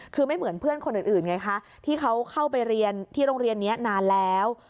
คือไม่เหมือนเพื่อนคนอื่นไงคะที่เขาเข้าไปเรียนที่โรงเรียนนี้นานแล้ว